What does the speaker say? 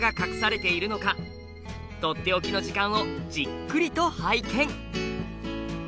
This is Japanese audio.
「とっておきの時間」をじっくりと拝見！